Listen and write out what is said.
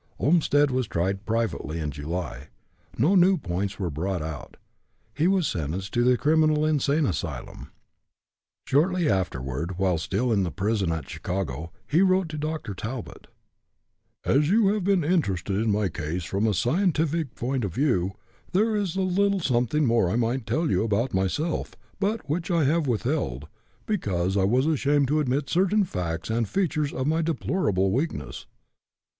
Olmstead was tried privately in July. No new points were brought out. He was sentenced to the Criminal Insane Asylum. Shortly afterward, while still in the prison at Chicago, he wrote to Dr. Talbot: "As you have been interested in my case from a scientific point of view, there is a little something more I might tell you about myself, but which I have withheld, because I was ashamed to admit certain facts and features of my deplorable weakness.